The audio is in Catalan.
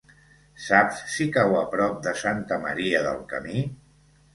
Saps si cau a prop de Santa Maria del Camí?